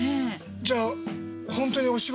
じゃあホントにお仕事？